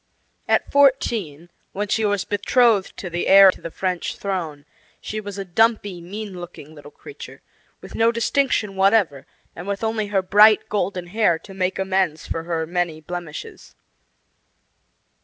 At fourteen, when she was betrothed to the heir to the French throne, she was a dumpy, mean looking little creature, with no distinction whatever, and with only her bright golden hair to make amends for her many blemishes.